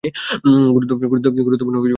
গুরুত্বপূর্ণ কিছু নিশ্চয়।